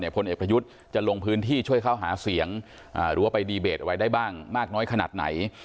พลเอกประยุทธ์จะลงพื้นที่ช่วยเข้าหาเสียงหรือว่าไปดีเบตอะไรได้บ้างมากน้อยขนาดไหน